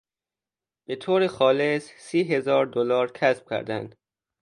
به طور خالص سی هزار دلار کسب کردن